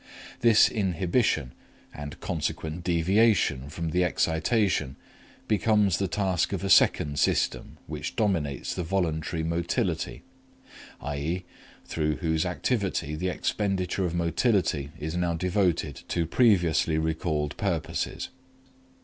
This inhibition and consequent deviation from the excitation becomes the task of a second system which dominates the voluntary motility, i.e. through whose activity the expenditure of motility is now devoted to previously recalled purposes.